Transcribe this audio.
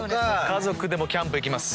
家族でもキャンプ行きます。